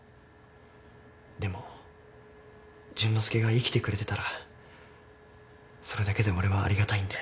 でも淳之介が生きてくれてたらそれだけで俺はありがたいんで。